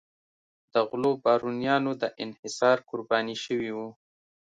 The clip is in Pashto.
د غلو بارونیانو د انحصار قرباني شوي وو.